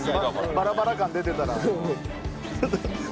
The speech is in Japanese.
バラバラ感出てたら。